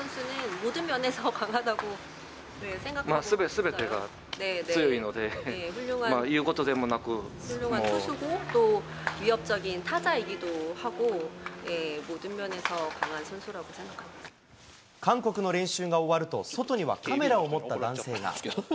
すべてが強いので、韓国の練習が終わると、外にはカメラを持った男性が。